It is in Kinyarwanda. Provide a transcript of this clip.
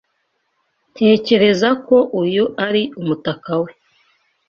Ntekereza ko uyu ari umutaka we.